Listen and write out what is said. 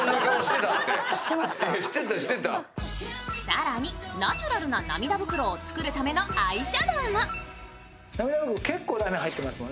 更にナチュラルな涙袋を作るためのアイシャドウも。